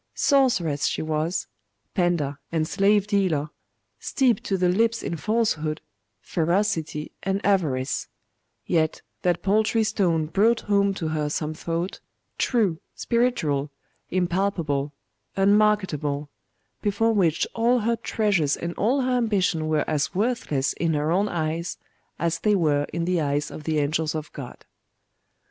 Sorceress she was, pander and slave dealer, steeped to the lips in falsehood, ferocity, and avarice; yet that paltry stone brought home to her some thought, true, spiritual, impalpable, unmarketable, before which all her treasures and all her ambition were as worthless in her own eyes as they were in the eyes of the angels of God.